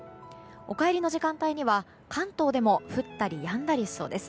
お帰りの時間帯には関東でも降ったりやんだりしそうです。